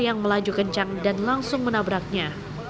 yang melaju kencang dan langsung menabraknya